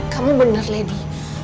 kamu bener lady